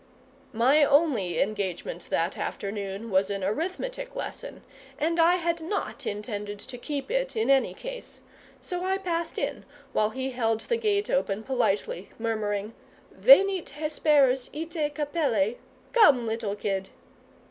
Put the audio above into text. My only engagement that afternoon was an arithmetic lesson, and I had not intended to keep it in any case; so I passed in, while he held the gate open politely, murmuring "Venit Hesperus ite, capellae: come, little kid!"